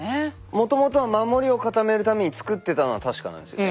もともとは守りを固めるために造ってたのは確かなんですよね。